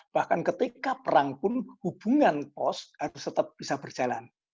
bahkan ketika perang pun hubungan pos harus tetap bisa berjalan